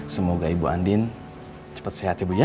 semoga ibu andin cepet sehat ya bu ya